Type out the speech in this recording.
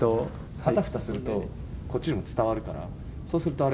あたふたすると、こっちにも伝わるから、そうするとあれ？